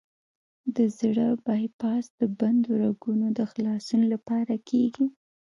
د زړه بای پاس د بندو رګونو د خلاصون لپاره کېږي.